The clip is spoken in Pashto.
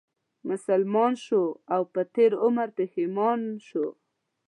مسلمان شو او په تېر عمر پښېمان شو